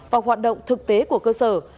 và hoạt động thực tế của cơ sở